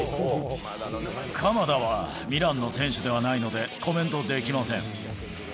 鎌田はミランの選手ではないので、コメントできません。